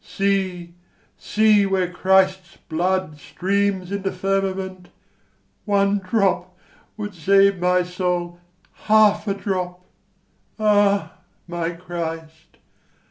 See, see, where Christ's blood streams in the firmament! One drop would save my soul, half a drop: ah, my Christ!